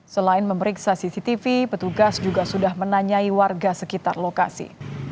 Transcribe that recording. selain memeriksa cctv petugas juga sudah menanyai warga sekitar lokasi